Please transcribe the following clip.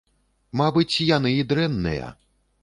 Мабыць, яны і дрэнныя!